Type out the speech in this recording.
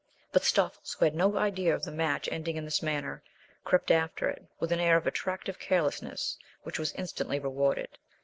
But Stoffles, who had no idea of the match ending in this manner, crept after it, with an air of attractive carelessness which was instantly rewarded.